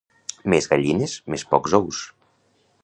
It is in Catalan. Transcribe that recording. Més gallines, més pocs ous.